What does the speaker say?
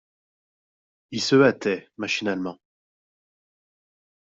Il se hâtait machinalement.